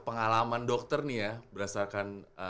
pengalaman dokter nih ya berdasarkan